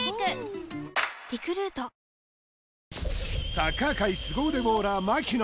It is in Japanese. サッカー界スゴ腕ボウラー槙野